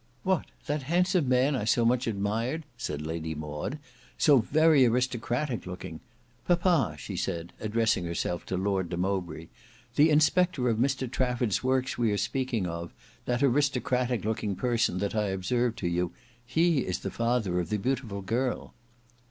"What! that handsome man I so much admired," said Lady Maud, "so very aristocratic looking. Papa," she said, addressing herself to Lord de Mowbray, "the inspector of Mr Trafford's works we are speaking of, that aristocratic looking person that I observed to you, he is the father of the beautiful girl."